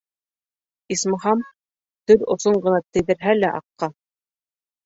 Исмаһам, тел осон ғына тейҙерһә лә аҡҡа.